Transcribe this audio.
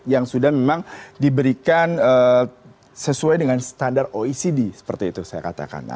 yang sudah memang diberikan sesuai dengan standar oecd seperti itu saya katakan